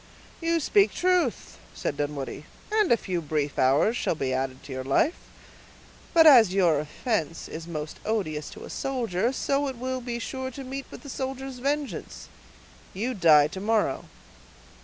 "You speak truth," said Dunwoodie; "and a few brief hours shall be added to your life. But as your offense is most odious to a soldier, so it will be sure to meet with the soldier's vengeance. You die to morrow."